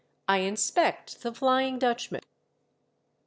I INSPECT THE FLYING DUTCHMAN.